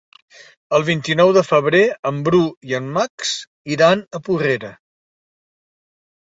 El vint-i-nou de febrer en Bru i en Max iran a Porrera.